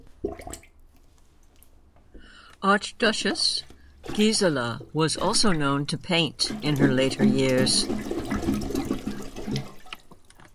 Archduchess Gisela was also known to paint in her later years.